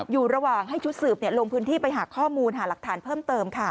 อยู่ระหว่างให้ชุดสืบลงพื้นที่ไปหาข้อมูลหาหลักฐานเพิ่มเติมค่ะ